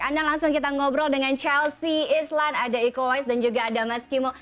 kita ajak anda langsung kita ngobrol dengan chelsea islan ada iko uwais dan juga ada mas kimo